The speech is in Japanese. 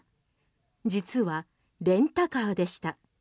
実はレンタカーでした。